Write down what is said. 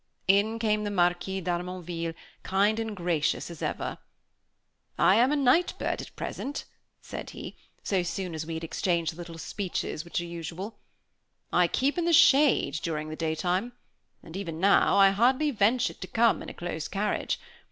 In came the Marquis d'Harmonville, kind and gracious as ever. "I am a night bird at present," said he, so soon as we had exchanged the little speeches which are usual. "I keep in the shade during the daytime, and even now I hardly ventured to come in a close carriage.